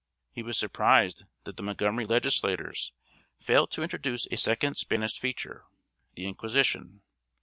He was surprised that the Montgomery legislators failed to introduce a second Spanish feature the Inquisition.